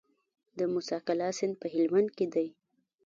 د موسی قلعه سیند په هلمند کې دی